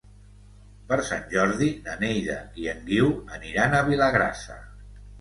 Per Sant Jordi na Neida i en Guiu aniran a Vilagrassa.